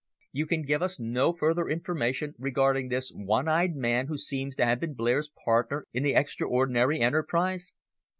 "You can give us no further information regarding this one eyed man who seems to have been Blair's partner in the extraordinary enterprise?"